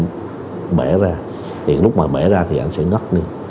nó bể ra thì lúc mà bể ra thì ảnh sẽ ngất đi